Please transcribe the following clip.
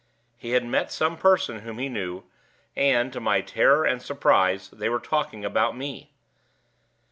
He had met some person whom he knew, and, to my terror and surprise, they were talking about me.